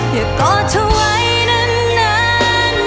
อย่าก่อเธอไว้นาน